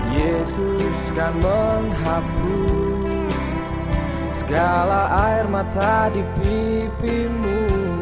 yesus kan menghapus segala air mata di pipimu